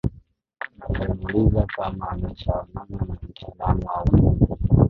Alimuuliza kama ameshaonana na mtaalamu wa ufundi